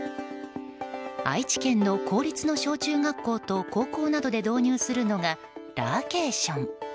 愛知県の公立の小中学校と高校などで導入するのがラーケーション。